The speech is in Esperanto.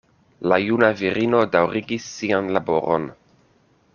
La juna virino daŭrigis sian laboron.